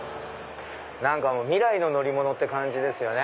未来の乗り物って感じですよね。